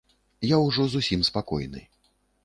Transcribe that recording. Я ўжо зусім спакойны.